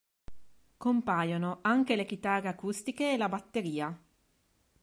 Compaiono anche le chitarre acustiche e la batteria.